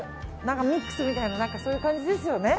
ミックスみたいなそういう感じですよね。